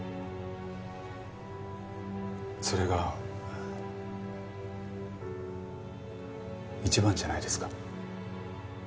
それが一番じゃないですか。